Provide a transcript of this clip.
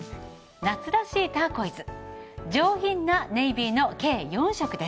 夏らしいターコイズ上品なネイビーの計４色です。